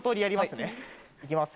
行きます